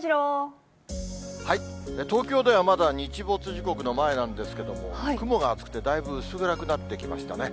東京ではまだ、日没時刻の前なんですけども、雲が厚くて、だいぶ薄暗くなってきましたね。